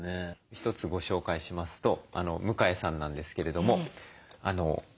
一つご紹介しますと向江さんなんですけれども今月ですね